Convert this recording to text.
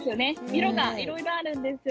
色がいろいろあるんですよ。